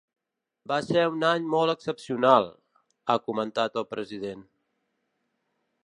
“Va ser un any molt excepcional”, ha comentat el president.